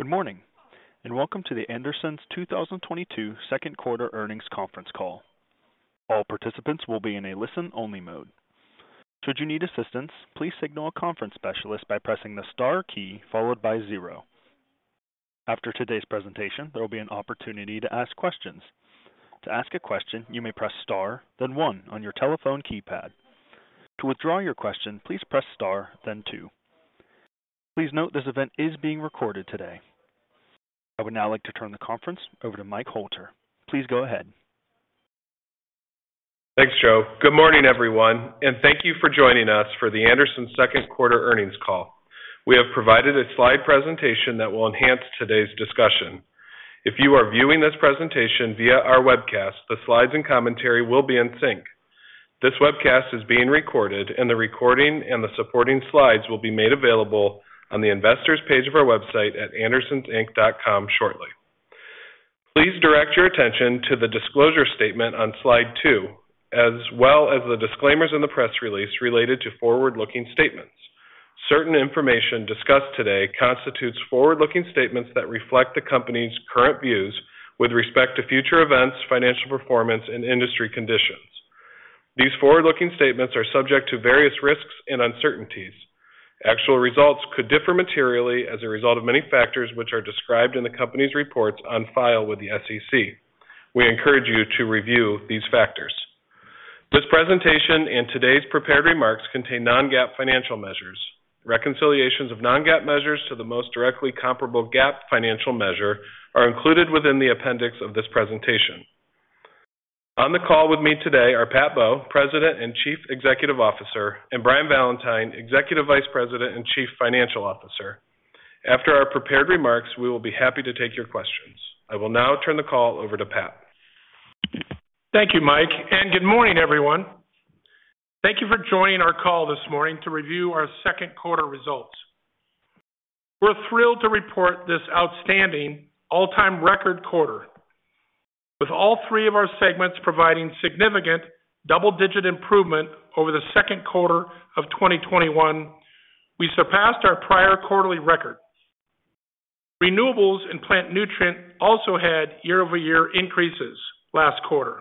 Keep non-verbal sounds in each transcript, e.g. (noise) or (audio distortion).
Good morning, and welcome to The Andersons 2022 second quarter earnings conference call. All participants will be in a listen-only mode. Should you need assistance, please signal a conference specialist by pressing the star key followed by zero. After today's presentation, there will be an opportunity to ask questions. To ask a question, you may press star, then one on your telephone keypad. To withdraw your question, please press star, then two. Please note this event is being recorded today. I would now like to turn the conference over to Mike Hoelter. Please go ahead. Thanks, Joe. Good morning, everyone, and thank you for joining us for The Andersons second quarter earnings call. We have provided a slide presentation that will enhance today's discussion. If you are viewing this presentation via our webcast, the slides and commentary will be in sync. This webcast is being recorded, and the recording and the supporting slides will be made available on the investors page of our website at andersonsinc.com shortly. Please direct your attention to the disclosure statement on slide two, as well as the disclaimers in the press release related to forward-looking statements. Certain information discussed today constitutes forward-looking statements that reflect the company's current views with respect to future events, financial performance, and industry conditions. These forward-looking statements are subject to various risks and uncertainties. Actual results could differ materially as a result of many factors, which are described in the company's reports on file with the SEC. We encourage you to review these factors. This presentation and today's prepared remarks contain non-GAAP financial measures. Reconciliations of non-GAAP measures to the most directly comparable GAAP financial measure are included within the appendix of this presentation. On the call with me today are Pat Bowe, President and Chief Executive Officer, and Brian Valentine, Executive Vice President and Chief Financial Officer. After our prepared remarks, we will be happy to take your questions. I will now turn the call over to Pat. Thank you, Mike, and good morning, everyone. Thank you for joining our call this morning to review our second quarter results. We're thrilled to report this outstanding all-time record quarter. With all three of our segments providing significant double-digit improvement over the second quarter of 2021, we surpassed our prior quarterly record. Renewables and plant nutrient also had year-over-year increases last quarter.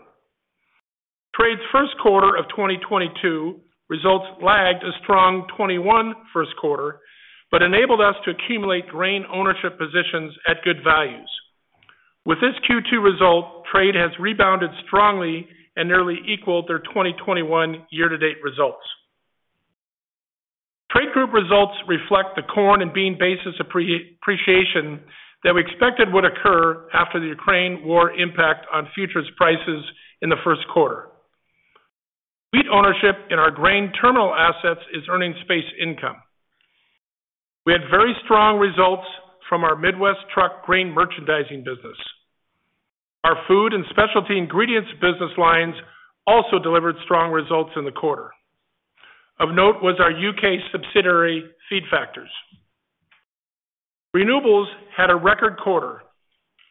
Trade's first quarter of 2022 results lagged a strong 2021 first quarter, but enabled us to accumulate grain ownership positions at good values. With this Q2 result, trade has rebounded strongly and nearly equaled their 2021 year-to-date results. Trade group results reflect the corn and bean basis appreciation that we expected would occur after the Ukraine war impact on futures prices in the first quarter. Wheat ownership in our grain terminal assets is earning space income. We had very strong results from our Midwest truck grain merchandising business. Our food and specialty ingredients business lines also delivered strong results in the quarter. Of note was our U.K. subsidiary, Feed Factors. Renewables had a record quarter.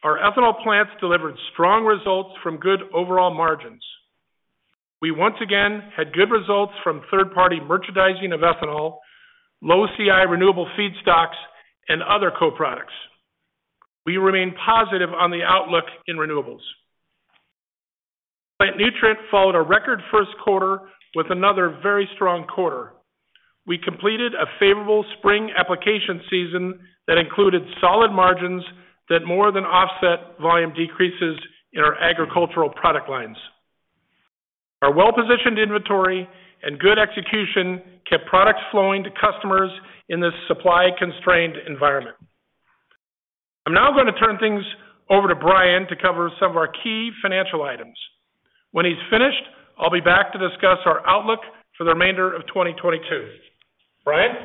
Our ethanol plants delivered strong results from good overall margins. We once again had good results from third-party merchandising of ethanol, low CI renewable feedstocks, and other co-products. We remain positive on the outlook in renewables. Plant Nutrient followed a record first quarter with another very strong quarter. We completed a favorable spring application season that included solid margins that more than offset volume decreases in our agricultural product lines. Our well-positioned inventory and good execution kept products flowing to customers in this supply-constrained environment. I'm now gonna turn things over to Brian to cover some of our key financial items. When he's finished, I'll be back to discuss our outlook for the remainder of 2022. Brian?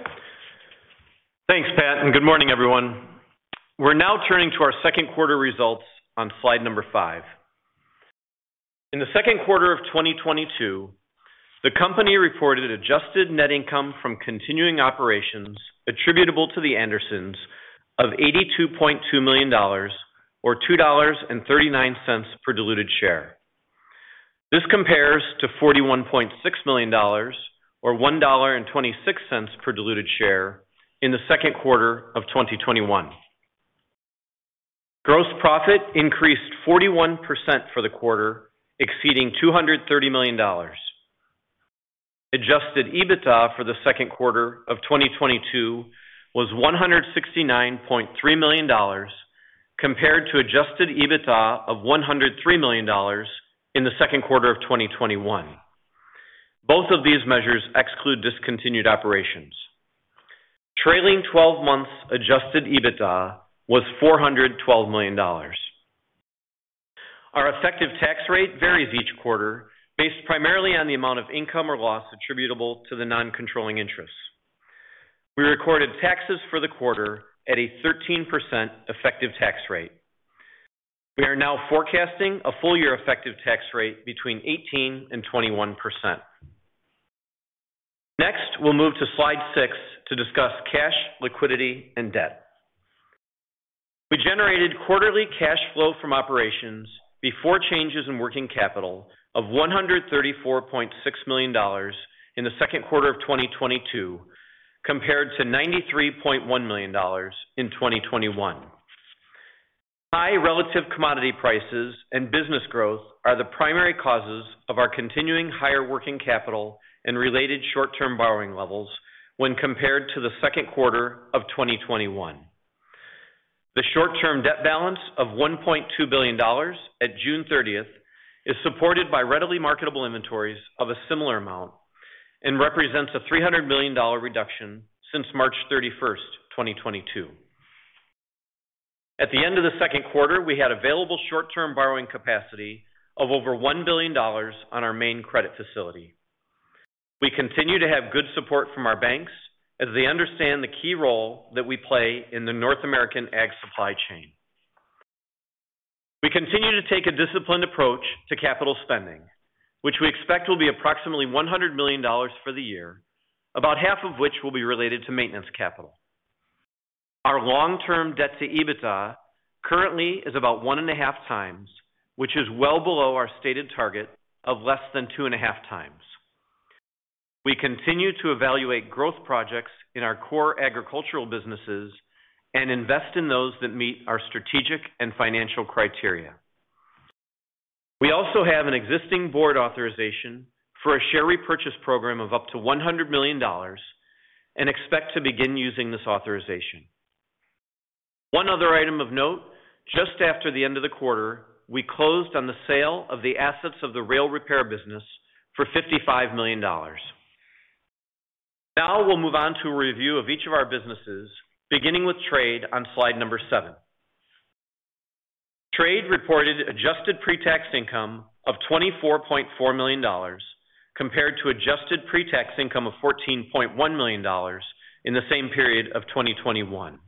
Thanks, Pat, and good morning, everyone. We're now turning to our second quarter results on slide five. In the second quarter of 2022, the company reported adjusted net income from continuing operations attributable to The Andersons of $82.2 million or $2.39 per diluted share. This compares to $41.6 million or $1.26 per diluted share in the second quarter of 2021. Gross profit increased 41% for the quarter, exceeding $230 million. Adjusted EBITDA for the second quarter of 2022 was $169.3 million compared to Adjusted EBITDA of $103 million in the second quarter of 2021. Both of these measures exclude discontinued operations. Trailing 12 months Adjusted EBITDA was $412 million. Our effective tax rate varies each quarter based primarily on the amount of income or loss attributable to the non-controlling interests. We recorded taxes for the quarter at a 13% effective tax rate. We are now forecasting a full-year effective tax rate between 18% and 21%. Next, we'll move to slide six to discuss cash, liquidity, and debt. We generated quarterly cash flow from operations before changes in working capital of $134.6 million in the second quarter of 2022, compared to $93.1 million in 2021. High relative commodity prices and business growth are the primary causes of our continuing higher working capital and related short-term borrowing levels when compared to the second quarter of 2021. The short-term debt balance of $1.2 billion at June 30th is supported by readily marketable inventories of a similar amount and represents a $300 million reduction since March 31st, 2022. At the end of the second quarter, we had available short-term borrowing capacity of over $1 billion on our main credit facility. We continue to have good support from our banks as they understand the key role that we play in the North American ag supply chain. We continue to take a disciplined approach to capital spending, which we expect will be approximately $100 million for the year, about half of which will be related to maintenance capital. Our Long-term debt to EBITDA currently is about 1.5x, which is well below our stated target of less than 2.5x. We continue to evaluate growth projects in our core agricultural businesses and invest in those that meet our strategic and financial criteria. We also have an existing board authorization for a share repurchase program of up to $100 million and expect to begin using this authorization. One other item of note, just after the end of the quarter, we closed on the sale of the assets of the rail repair business for $55 million. Now we'll move on to a review of each of our businesses, beginning with trade on slide seven. Trade reported adjusted pre-tax income of $24.4 million compared to adjusted pre-tax income of $14.1 million in the same period of 2021.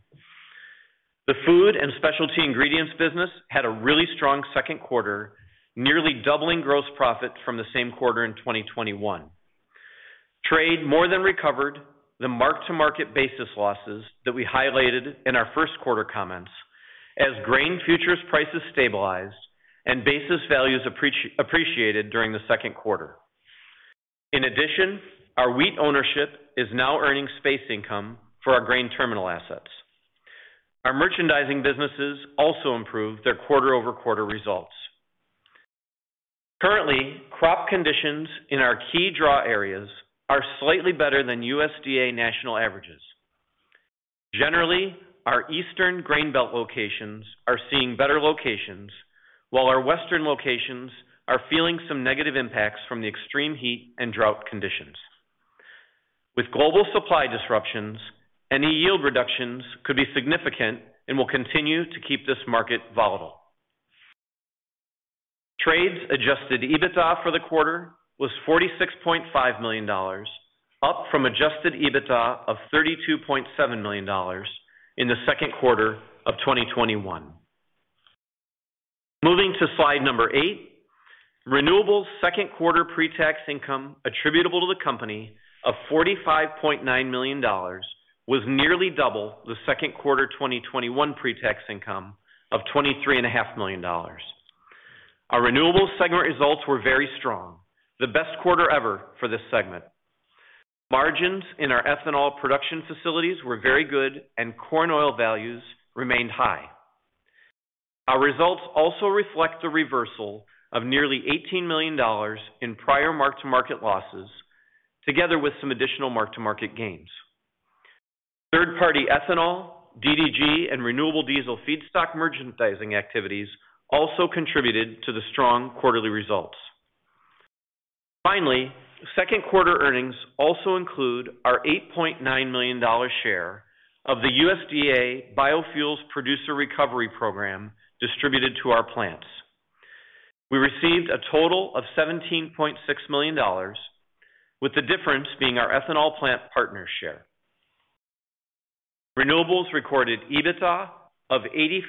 The food and specialty ingredients business had a really strong second quarter, nearly doubling gross profit from the same quarter in 2021. Trade more than recovered the mark-to-market basis losses that we highlighted in our first quarter comments as grain futures prices stabilized and basis values appreciated during the second quarter. In addition, our wheat ownership is now earning space income for our grain terminal assets. Our merchandising businesses also improved their quarter-over-quarter results. Currently, crop conditions in our key draw areas are slightly better than USDA national averages. Generally, our eastern Grain Belt locations are seeing better locations, while our western locations are feeling some negative impacts from the extreme heat and drought conditions. With global supply disruptions, any yield reductions could be significant and will continue to keep this market volatile. Trade's Adjusted EBITDA for the quarter was $46.5 million, up from Adjusted EBITDA of $32.7 million in the second quarter of 2021. Moving to slide number eight. Renewables' second quarter pre-tax income attributable to the company of $45.9 million was nearly double the second quarter 2021 pre-tax income of $23.5 million. Our Renewables segment results were very strong, the best quarter ever for this segment. Margins in our ethanol production facilities were very good, and corn oil values remained high. Our results also reflect the reversal of nearly $18 million in prior mark-to-market losses, together with some additional mark-to-market gains. Third-party ethanol, DDG, and renewable diesel feedstock merchandising activities also contributed to the strong quarterly results. Second quarter earnings also include our $8.9 million share of the USDA Biofuel Producer Program distributed to our plants. We received a total of $17.6 million, with the difference being our ethanol plant partner share. Renewables recorded EBITDA of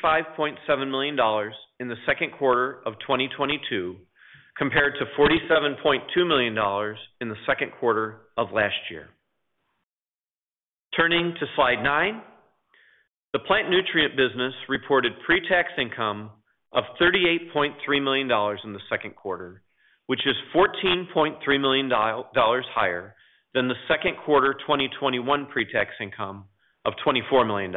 $85.7 million in the second quarter of 2022, compared to $47.2 million in the second quarter of last year. Turning to slide nine. The Plant Nutrient business reported pre-tax income of $38.3 million in the second quarter, which is $14.3 million higher than the second quarter 2021 pre-tax income of $24 million.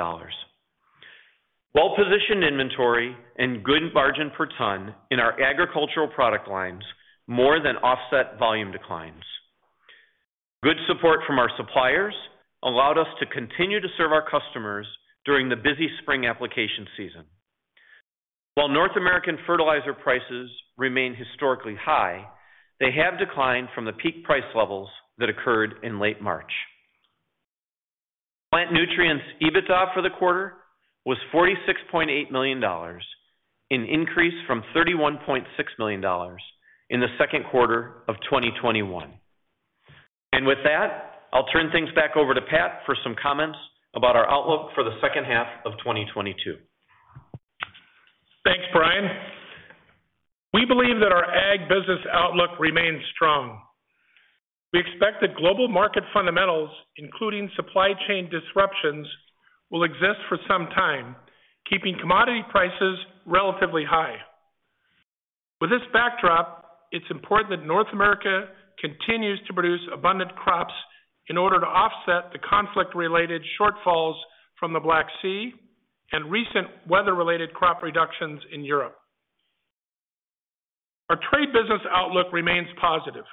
Well-positioned inventory and good margin per ton in our agricultural product lines more than offset volume declines. Good support from our suppliers allowed us to continue to serve our customers during the busy spring application season. While North American fertilizer prices remain historically high, they have declined from the peak price levels that occurred in late March. Plant Nutrients EBITDA for the quarter was $46.8 million, an increase from $31.6 million in the second quarter of 2021. With that, I'll turn things back over to Pat for some comments about our outlook for the second half of 2022. Thank you, Brian. We believe that our ag business outlook remains strong. We expect that global market fundamentals, including supply chain disruptions, will exist for some time, keeping commodity prices relatively high. With this backdrop, it's important that North America continues to produce abundant crops in order to offset the conflict-related shortfalls from the Black Sea and recent weather-related crop reductions in Europe. Our trade business outlook remains positive.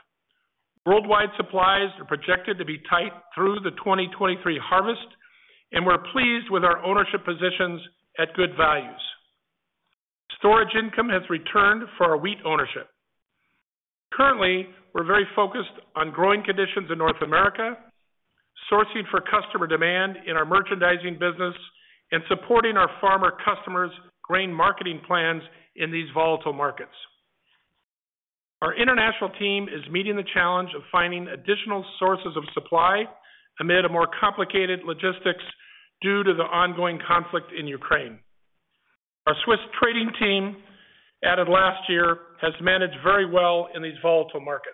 Worldwide supplies are projected to be tight through the 2023 harvest, and we're pleased with our ownership positions at good values. Storage income has returned for our wheat ownership. Currently, we're very focused on growing conditions in North America, sourcing for customer demand in our merchandising business, and supporting our farmer customers' grain marketing plans in these volatile markets. Our international team is meeting the challenge of finding additional sources of supply amid a more complicated logistics due to the ongoing conflict in Ukraine. Our Swiss trading team, added last year, has managed very well in these volatile markets.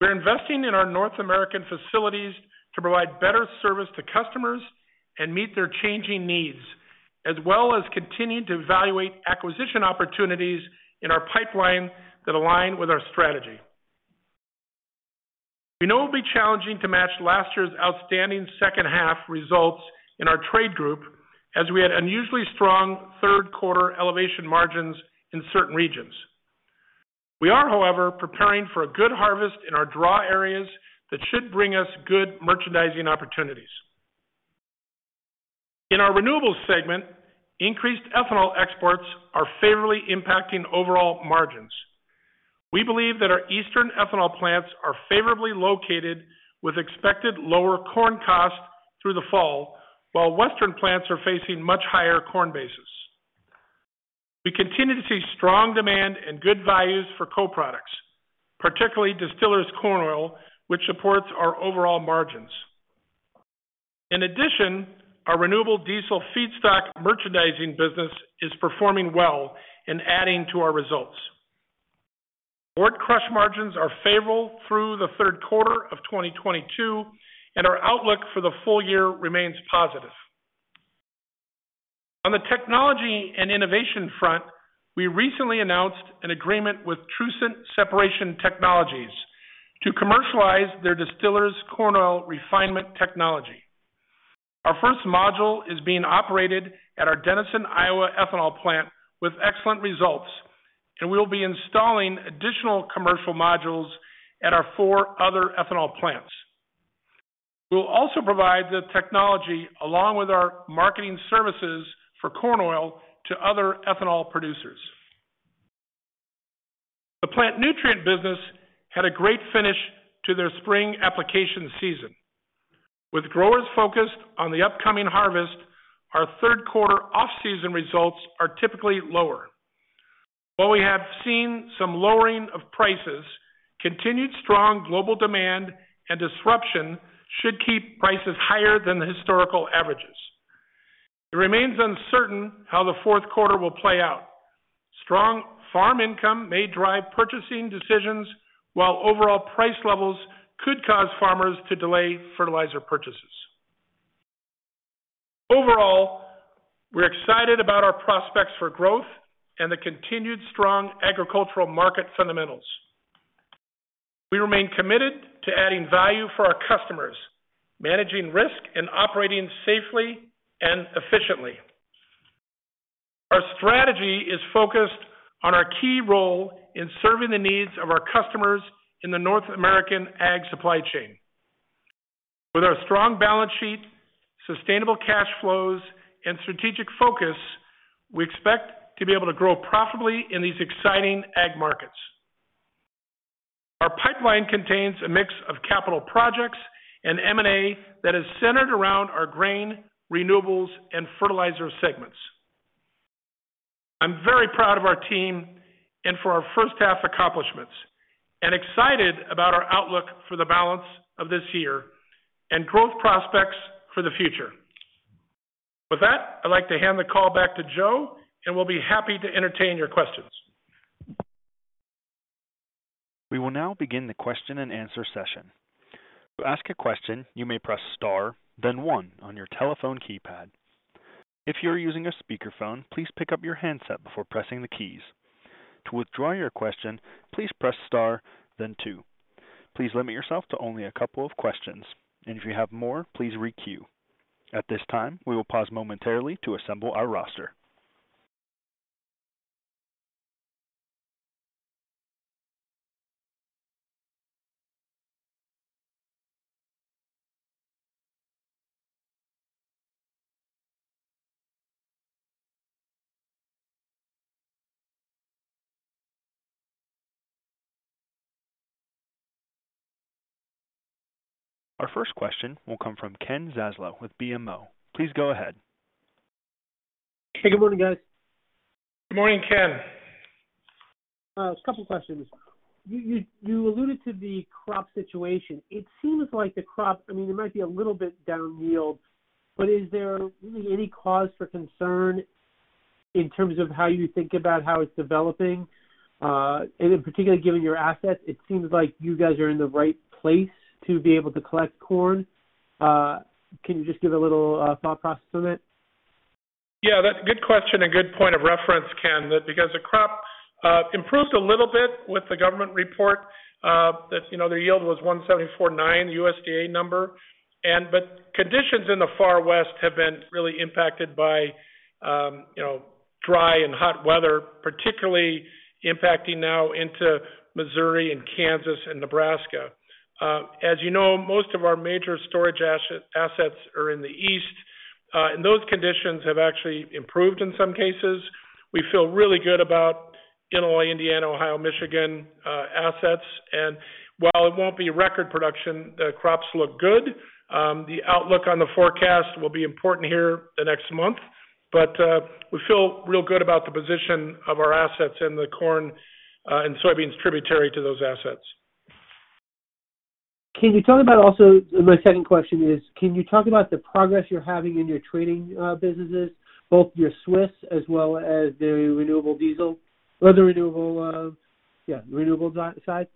We're investing in our North American facilities to provide better service to customers and meet their changing needs, as well as continuing to evaluate acquisition opportunities in our pipeline that align with our strategy. We know it'll be challenging to match last year's outstanding second half results in our trade group as we had unusually strong third quarter elevation margins in certain regions. We are, however, preparing for a good harvest in our draw areas that should bring us good merchandising opportunities. In our Renewables segment, increased ethanol exports are favorably impacting overall margins. We believe that our eastern ethanol plants are favorably located with expected lower corn costs through the fall, while western plants are facing much higher corn basis. We continue to see strong demand and good values for co-products, particularly distillers corn oil, which supports our overall margins. In addition, our renewable diesel feedstock merchandising business is performing well and adding to our results. Board crush margins are favorable through the third quarter of 2022, and our outlook for the full year remains positive. On the technology and innovation front, we recently announced an agreement with Trucent Separation Technologies to commercialize their distillers corn oil refinement technology. Our first module is being operated at our Denison, Iowa ethanol plant with excellent results, and we will be installing additional commercial modules at our four other ethanol plants. We'll also provide the technology along with our marketing services for corn oil to other ethanol producers. The plant nutrient business had a great finish to their spring application season. With growers focused on the upcoming harvest, our third quarter off-season results are typically lower. While we have seen some lowering of prices, continued strong global demand and disruption should keep prices higher than the historical averages. It remains uncertain how the fourth quarter will play out. Strong farm income may drive purchasing decisions while overall price levels could cause farmers to delay fertilizer purchases. Overall, we're excited about our prospects for growth and the continued strong agricultural market fundamentals. We remain committed to adding value for our customers, managing risk, and operating safely and efficiently. Our strategy is focused on our key role in serving the needs of our customers in the North American supply chain. With our strong balance sheet, sustainable cash flows, and strategic focus, we expect to be able to grow profitably in these exciting ag markets. Our pipeline contains a mix of capital projects and M&A that is centered around our grain, renewables, and fertilizer segments. I'm very proud of our team and for our first half accomplishments, and excited about our outlook for the balance of this year and growth prospects for the future. With that, I'd like to hand the call back to Joe, and we'll be happy to entertain your questions. We will now begin the question-and-answer session. To ask a question, you may press star, then one on your telephone keypad. If you're using a speakerphone, please pick up your handset before pressing the keys. To withdraw your question, please press star then two. Please limit yourself to only a couple of questions, and if you have more, please re-queue. At this time, we will pause momentarily to assemble our roster. Our first question will come from Ken Zaslow with BMO. Please go ahead. Hey, good morning, guys. Good morning, Ken. A couple questions. You alluded to the crop situation. It seems like the crop, I mean, it might be a little bit down yield, but is there really any cause for concern in terms of how you think about how it's developing? In particular, given your assets, it seems like you guys are in the right place to be able to collect corn. Can you just give a little thought process on it? Yeah, that's a good question and good point of reference, Ken Zaslow, that because the crop improved a little bit with the government report, that, you know, their yield was 174.9 USDA number. Conditions in the far west have been really impacted by, you know, dry and hot weather, particularly impacting now into Missouri and Kansas and Nebraska. As you know, most of our major storage assets are in the east, and those conditions have actually improved in some cases. We feel really good about Illinois, Indiana, Ohio, Michigan assets. While it won't be record production, the crops look good. The outlook on the forecast will be important here the next month. We feel real good about the position of our assets and the corn and soybeans tributary to those assets. My second question is, can you talk about the progress you're having in your trading businesses, both your (audio distortion) as well as the renewable diesel side,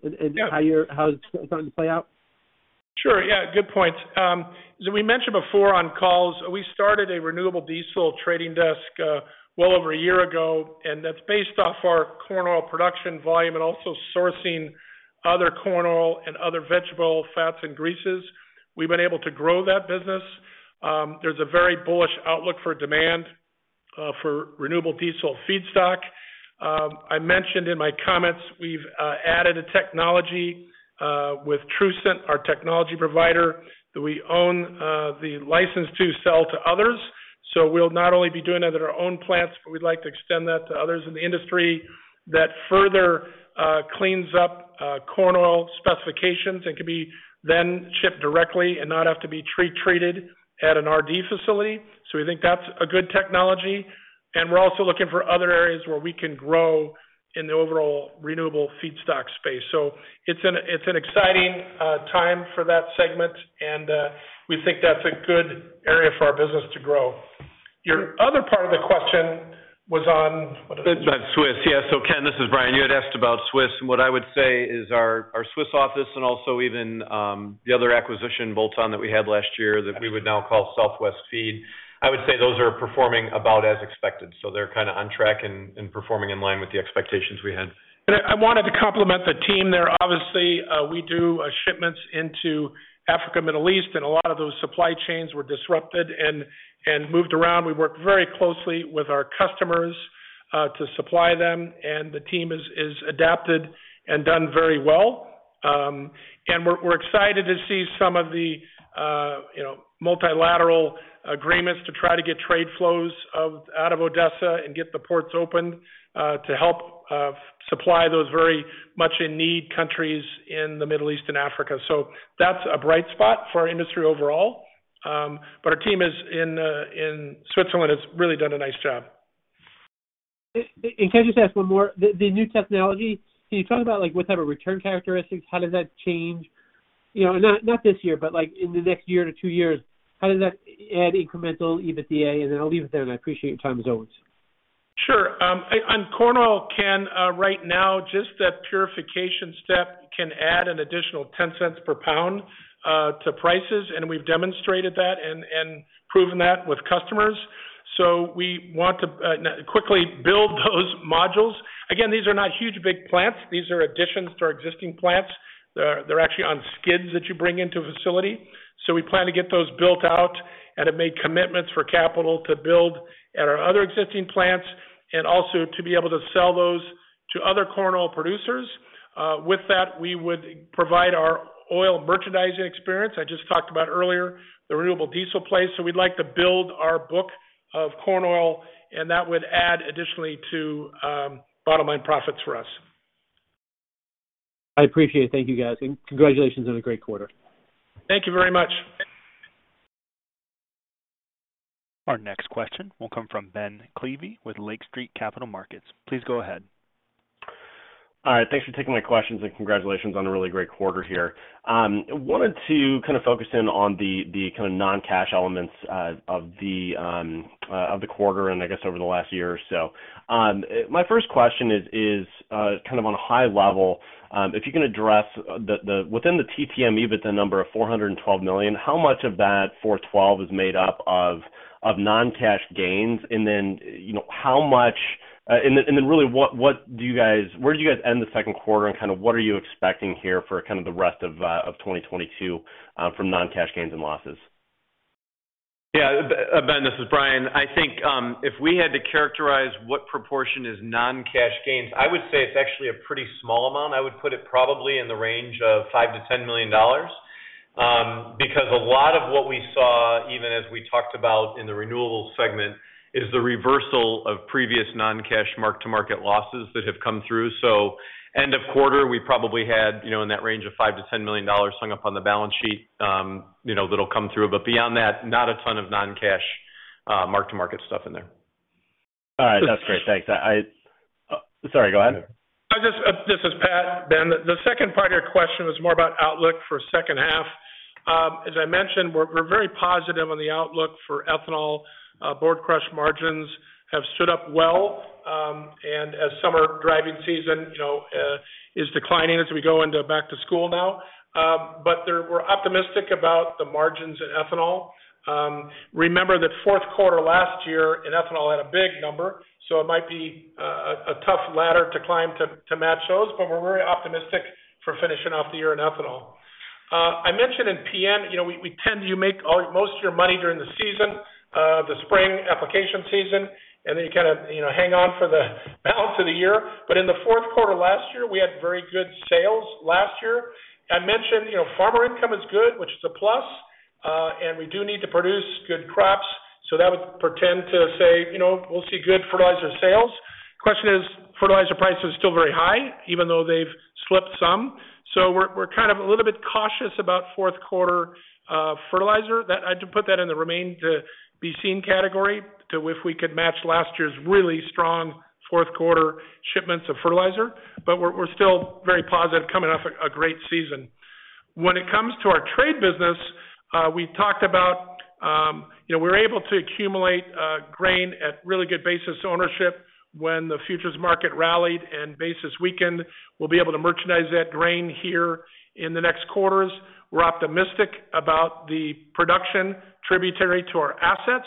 (audio distortion) and how it's starting to play out? Sure. Yeah, good point. As we mentioned before on calls, we started a renewable diesel trading desk, well over a year ago, and that's based off our corn oil production volume and also sourcing other corn oil and other vegetable fats and greases. We've been able to grow that business. There's a very bullish outlook for demand, for renewable diesel feedstock. I mentioned in my comments, we've added a technology, with Trucent, our technology provider, that we own, the license to sell to others. So we'll not only be doing it at our own plants, but we'd like to extend that to others in the industry. That further cleans up corn oil specifications and can be then shipped directly and not have to be treated at an RD facility. So we think that's a good technology. We're also looking for other areas where we can grow in the overall renewable feedstock space. It's an exciting time for that segment, and we think that's a good area for our business to grow. Your other part of the question was on what? It's about Swiss. Ken Zaslow, this is Brian Valentine. You had asked about Swiss, and what I would say is our Swiss office and also even the other acquisition, Bolton, that we had last year that we would now call Skyland Grain. I would say those are performing about as expected, so they're kind of on track and performing in line with the expectations we had. I wanted to compliment the team there. Obviously, we do shipments into Africa, Middle East, and a lot of those supply chains were disrupted and moved around. We work very closely with our customers to supply them, and the team has adapted and done very well. We're excited to see some of the, you know, multilateral agreements to try to get trade flows out of Odesa and get the ports open to help supply those very much in need countries in the Middle East and Africa. That's a bright spot for our industry overall. But our team in Switzerland has really done a nice job. Can I just ask one more? The new technology, can you talk about like what type of return characteristics, how does that change? You know, not this year, but like in the next year to two years, how does that add incremental EBITDA? And then I'll leave it there, and I appreciate your time as always. Sure. On corn oil, Ken, right now, just that purification step can add an additional $0.10 per pound to prices, and we've demonstrated that and proven that with customers. We want to quickly build those modules. Again, these are not huge, big plants. These are additions to our existing plants. They're actually on skids that you bring into a facility. We plan to get those built out and have made commitments for capital to build at our other existing plants and also to be able to sell those to other corn oil producers. With that, we would provide our oil merchandising experience I just talked about earlier, the renewable diesel space. We'd like to build our book of corn oil, and that would add additionally to bottom line profits for us. I appreciate it. Thank you, guys. Congratulations on a great quarter. Thank you very much. Our next question will come from Ben Klieve with Lake Street Capital Markets. Please go ahead. All right. Thanks for taking my questions, and congratulations on a really great quarter here. I wanted to kind of focus in on the kind of non-cash elements of the quarter and I guess over the last year or so. My first question is kind of on a high level, if you can address the within the TTM EBITDA number of $412 million, how much of that 412 is made up of non-cash gains? You know, how much and then really, where do you guys end the second quarter and kind of what are you expecting here for kind of the rest of 2022 from non-cash gains and losses? Yeah. Ben, this is Brian. I think if we had to characterize what proportion is non-cash gains, I would say it's actually a pretty small amount. I would put it probably in the range of $5 million-$10 million because a lot of what we saw, even as we talked about in the renewables segment, is the reversal of previous non-cash mark-to-market losses that have come through. End of quarter, we probably had, you know, in that range of $5 million-$10 million hung up on the balance sheet, you know, that'll come through. But beyond that, not a ton of non-cash. Mark-to-market stuff in there. All right. That's great. Thanks. Sorry, go ahead. This is Pat, Ben. The second part of your question was more about outlook for second half. As I mentioned, we're very positive on the outlook for ethanol. Corn crush margins have stood up well, and as summer driving season, you know, is declining as we go into back to school now. But we're optimistic about the margins in ethanol. Remember that fourth quarter last year in ethanol had a big number, so it might be a tough ladder to climb to match those, but we're very optimistic for finishing off the year in ethanol. I mentioned in PN, you know, we tend to make most of our money during the season, the spring application season, and then you kind of, you know, hang on for the balance of the year. In the fourth quarter last year, we had very good sales last year. I mentioned, you know, farmer income is good, which is a plus, and we do need to produce good crops. That would intend to say, you know, we'll see good fertilizer sales. Question is, fertilizer prices are still very high, even though they've slipped some. We're kind of a little bit cautious about fourth quarter fertilizer. That I'd put that in the remain to be seen category too if we could match last year's really strong fourth quarter shipments of fertilizer. We're still very positive coming off a great season. When it comes to our trade business, we talked about, you know, we're able to accumulate grain at really good basis ownership when the futures market rallied and basis weakened. We'll be able to merchandise that grain here in the next quarters. We're optimistic about the production tributary to our assets.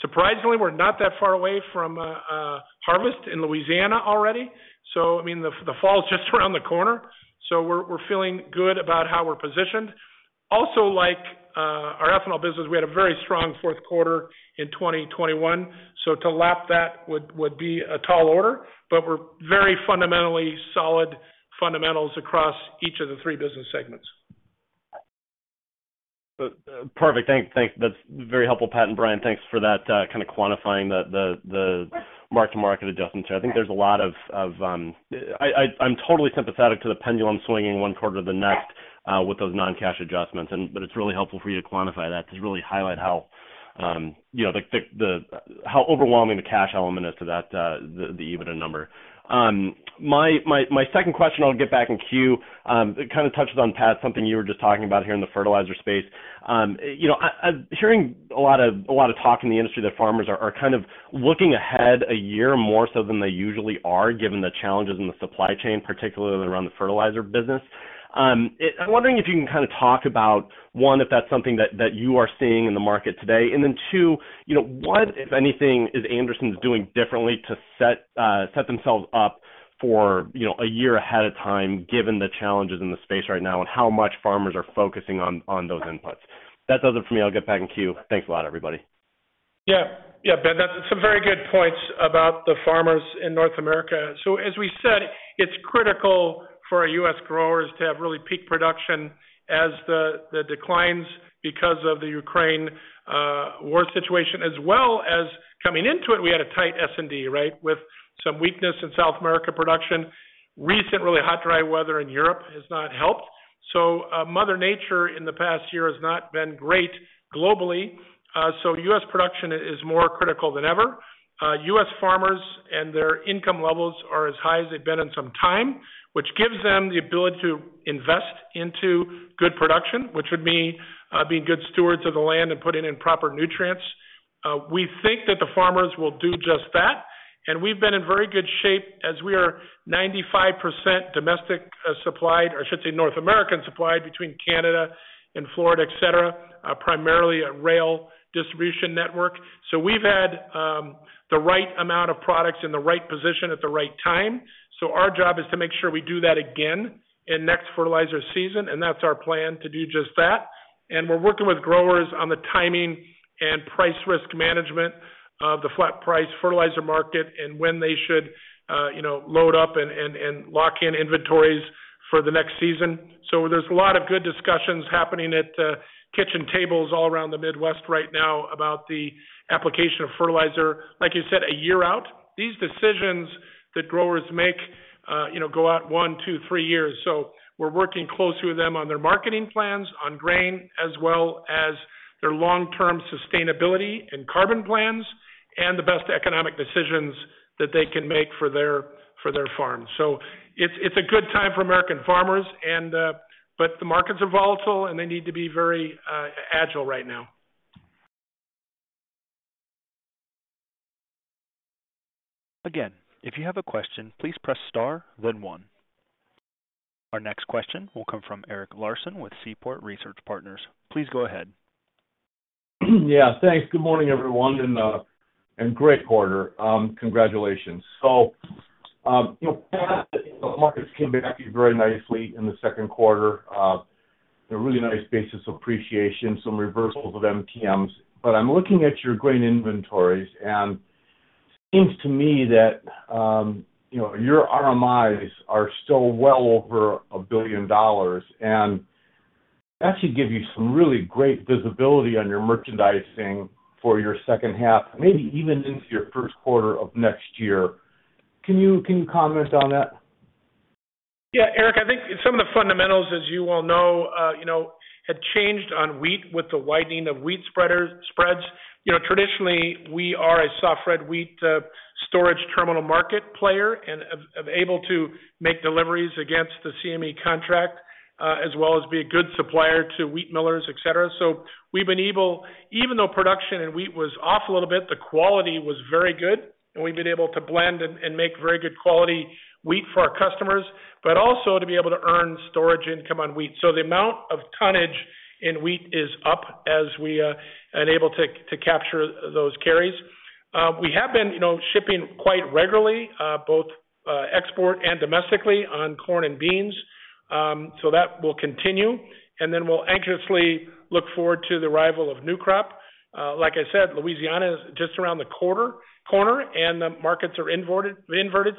Surprisingly, we're not that far away from harvest in Louisiana already. I mean, the fall is just around the corner, so we're feeling good about how we're positioned. Also like, our ethanol business, we had a very strong fourth quarter in 2021, so to lap that would be a tall order. We're very fundamentally solid fundamentals across each of the three business segments. Perfect. That's very helpful, Pat and Brian, thanks for that, kind of quantifying the mark-to-market adjustments there. I think there's a lot of. I'm totally sympathetic to the pendulum swinging one quarter to the next with those non-cash adjustments. It's really helpful for you to quantify that, to really highlight how, you know, the how overwhelming the cash element is to that the EBITDA number. My second question I'll get back in queue. It kind of touches on Pat, something you were just talking about here in the fertilizer space. You know, I'm hearing a lot of talk in the industry that farmers are kind of looking ahead a year more so than they usually are, given the challenges in the supply chain, particularly around the fertilizer business. I'm wondering if you can kind of talk about one, if that's something that you are seeing in the market today? Two, you know, what, if anything, is The Andersons doing differently to set themselves up for, you know, a year ahead of time, given the challenges in the space right now and how much farmers are focusing on those inputs? That does it for me. I'll get back in queue. Thanks a lot, everybody. Yeah. Yeah, Ben, that's some very good points about the farmers in North America. As we said, it's critical for our U.S. growers to have really peak production as the declines because of the Ukraine war situation, as well as coming into it, we had a tight S&D, right? With some weakness in South America production. Recently, really hot, dry weather in Europe has not helped. Mother Nature in the past year has not been great globally. U.S. production is more critical than ever. U.S. farmers and their income levels are as high as they've been in some time, which gives them the ability to invest into good production, which would mean being good stewards of the land and putting in proper nutrients. We think that the farmers will do just that, and we've been in very good shape as we are 95% domestic supplied, or I should say North American supplied between Canada and Florida, etc., primarily a rail distribution network. We've had the right amount of products in the right position at the right time. Our job is to make sure we do that again in next fertilizer season, and that's our plan to do just that. We're working with growers on the timing and price risk management of the flat price fertilizer market and when they should, you know, load up and lock in inventories for the next season. There's a lot of good discussions happening at kitchen tables all around the Midwest right now about the application of fertilizer. Like you said, a year out, these decisions that growers make, you know, go out one, two, three years. We're working closely with them on their marketing plans on grain as well as their long-term sustainability and carbon plans and the best economic decisions that they can make for their farms. It's a good time for American farmers and, but the markets are volatile, and they need to be very agile right now. Again, if you have a question, please press star then one. Our next question will come from Eric Larson with Seaport Research Partners. Please go ahead. Yeah, thanks. Good morning, everyone, and great quarter. Congratulations. You know, Pat, the markets came back very nicely in the second quarter. A really nice basis appreciation, some reversals of MTMs. I'm looking at your grain inventories, and it seems to me that, you know, your RMIs are still well over $1 billion, and that should give you some really great visibility on your merchandising for your second half, maybe even into your first quarter of next year. Can you comment on that? Yeah, Eric, I think some of the fundamentals, as you well know, you know, had changed on wheat with the widening of wheat spreads. You know, traditionally, we are a soft red wheat storage terminal market player and able to make deliveries against the CME contract, as well as be a good supplier to wheat millers, etc. We've been able. Even though production in wheat was off a little bit, the quality was very good, and we've been able to blend and make very good quality wheat for our customers, but also to be able to earn storage income on wheat. The amount of tonnage in wheat is up as we able to capture those carries. We have been, you know, shipping quite regularly, both export and domestically on corn and beans. That will continue, and then we'll anxiously look forward to the arrival of new crop. Like I said, Louisiana is just around the corner, and the markets are inverted,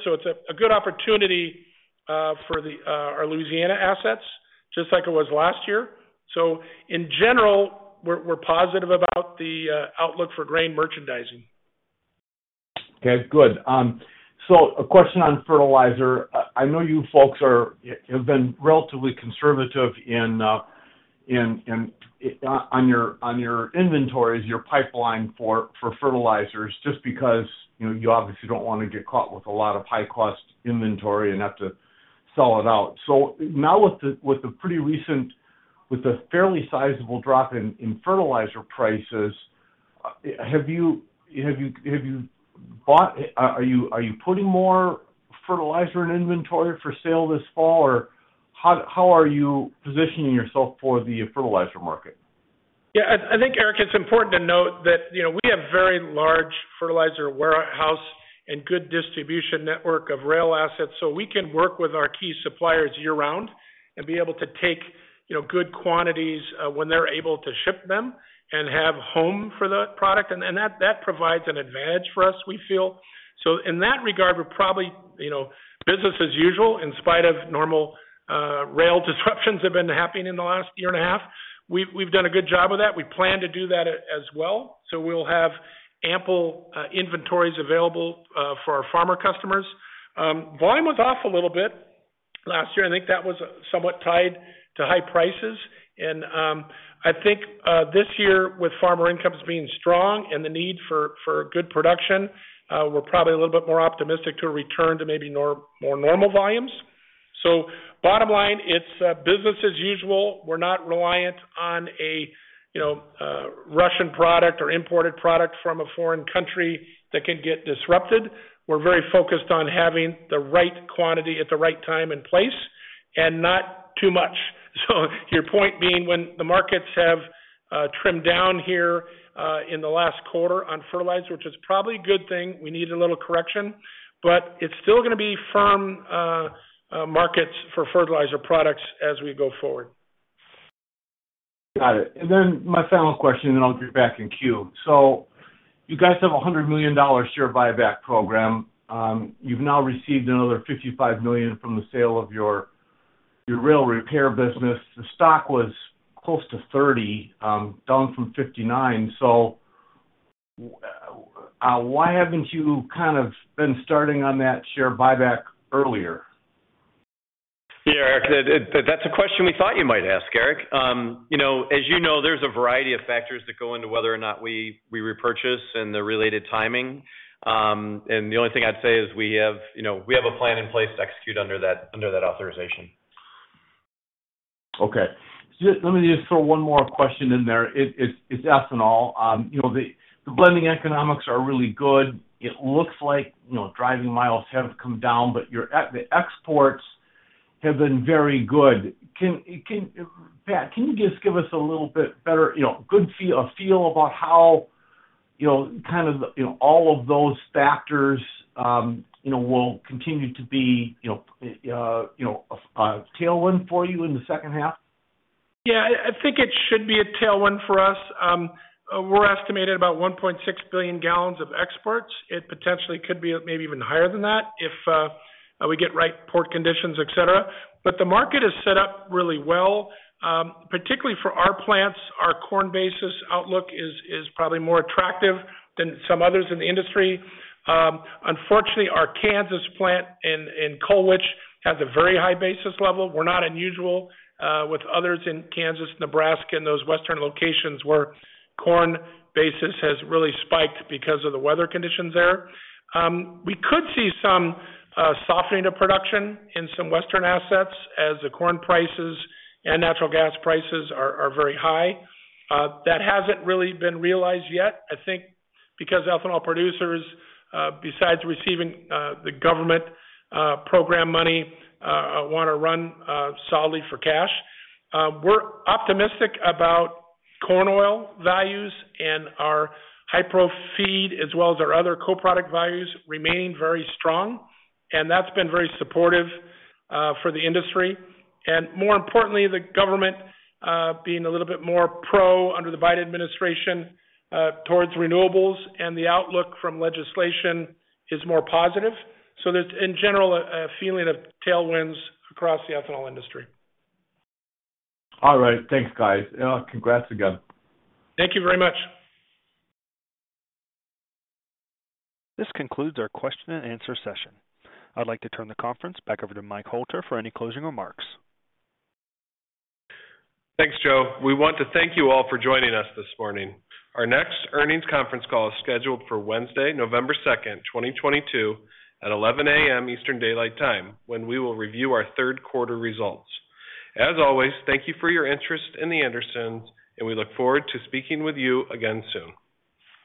so it's a good opportunity for our Louisiana assets, just like it was last year. In general, we're positive about the outlook for grain merchandising. Okay, good. A question on fertilizer. I know you folks have been relatively conservative in your inventories, your pipeline for fertilizers, just because, you know, you obviously don't wanna get caught with a lot of high-cost inventory and have to sell it out. Now with the fairly sizable drop in fertilizer prices, are you putting more fertilizer in inventory for sale this fall? Or how are you positioning yourself for the fertilizer market? Yeah, I think, Eric, it's important to note that, you know, we have very large fertilizer warehouse and good distribution network of rail assets, so we can work with our key suppliers year-round and be able to take, you know, good quantities when they're able to ship them and have home for the product. That provides an advantage for us, we feel. In that regard, we're probably, you know, business as usual, in spite of normal rail disruptions that have been happening in the last year and a half. We've done a good job with that. We plan to do that as well. We'll have ample inventories available for our farmer customers. Volume was off a little bit last year. I think that was somewhat tied to high prices. I think this year, with farmer incomes being strong and the need for good production, we're probably a little bit more optimistic to return to maybe more normal volumes. Bottom line, it's business as usual. We're not reliant on a you know Russian product or imported product from a foreign country that could get disrupted. We're very focused on having the right quantity at the right time and place, and not too much. Your point being, when the markets have trimmed down here in the last quarter on fertilizer, which is probably a good thing, we need a little correction, but it's still gonna be firm markets for fertilizer products as we go forward. Got it. My final question, and then I'll get back in queue. You guys have a $100 million Share Buyback program. You've now received another $55 million from the sale of your rail repair business. The stock was close to $30, down from $59. Why haven't you kind of been starting on that Share Buyback earlier? Yeah, Eric, that's a question we thought you might ask, Eric. You know, as you know, there's a variety of factors that go into whether or not we repurchase and the related timing. The only thing I'd say is we have, you know, a plan in place to execute under that authorization. Okay. Just let me throw one more question in there. It's ethanol. You know, the blending economics are really good. It looks like, you know, driving miles have come down, but the exports have been very good. Pat, can you just give us a little bit better, you know, a feel about how, you know, kind of, you know, all of those factors, you know, will continue to be, you know, a tailwind for you in the second half? Yeah, I think it should be a tailwind for us. We're estimating about 1.6 billion gallons of exports. It potentially could be maybe even higher than that if we get right port conditions, et cetera. The market is set up really well, particularly for our plants. Our corn basis outlook is probably more attractive than some others in the industry. Unfortunately, our Kansas plant in Colwich has a very high basis level. We're not unusual with others in Kansas, Nebraska, and those Western locations where corn basis has really spiked because of the weather conditions there. We could see some softening of production in some Western assets as the corn prices and natural gas prices are very high. That hasn't really been realized yet, I think, because ethanol producers, besides receiving the government program money, wanna run solidly for cash. We're optimistic about corn oil values and our high-pro feed as well as our other co-product values remaining very strong, and that's been very supportive for the industry. More importantly, the government being a little bit more pro under the Biden administration towards renewables and the outlook from legislation is more positive. There's, in general, a feeling of tailwinds across the ethanol industry. All right. Thanks, guys. Congrats again. Thank you very much. This concludes our question and answer session. I'd like to turn the conference back over to Mike Hoelter for any closing remarks. Thanks, Joe. We want to thank you all for joining us this morning. Our next earnings conference call is scheduled for Wednesday, November 2nd, 2022 at 11:00 A.M. Eastern Daylight Time, when we will review our third quarter results. As always, thank you for your interest in The Andersons, and we look forward to speaking with you again soon.